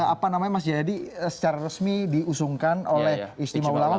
apa namanya mas jayadi secara resmi diusungkan oleh istimewa ulama